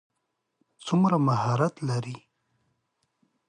څومره مهارت لري.